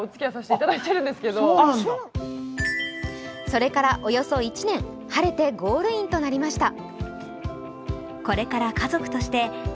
それからおよそ１年晴れてゴールインとなりました。